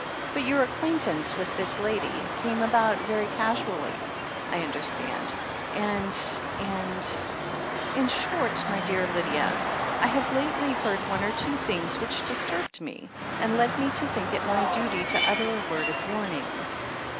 But your acquaintance with this lady came about very casually, I understand, and — and In short, my dear Lydia, I have lately heard one or two things which disturbed me, and led me to think it my duty to utter a word of warning.